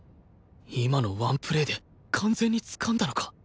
今のワンプレーで完全につかんだのか？